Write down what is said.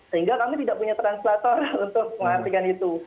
sehingga kami tidak punya translator untuk mengartikan itu